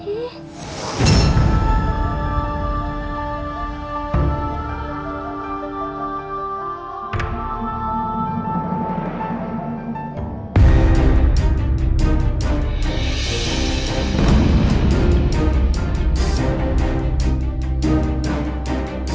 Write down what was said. ini turun sakit